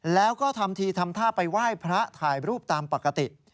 แล้วก็ทำทีทำท่าไปไหว้พระถ่ายรูปตามปกติ